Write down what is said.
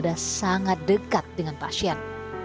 dan juga berada sangat dekat dengan pasien